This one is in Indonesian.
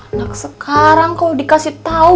anak sekarang kalau dikasih tau